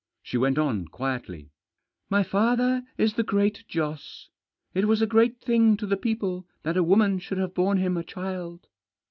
She went on quietly. "My father is the Great Joss. It was a great thing to the people that a woman should have borne to him a child."